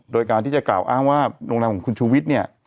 โดยการที่จะกล่าวอ้างว่าโรงแรมของคุณชูวิทย์เนี่ย